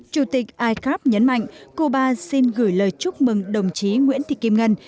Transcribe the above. chủ tịch icap nhấn mạnh cuba xin gửi lời chúc mừng đồng chí nguyễn thị kim ngân